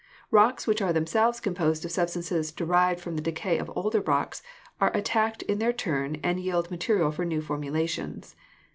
Rocks which are themselves composed of substances derived from the decay of older rocks are attacked in their turn and yield material for new formations.